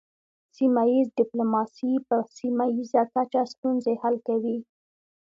سیمه ایز ډیپلوماسي په سیمه ایزه کچه ستونزې حل کوي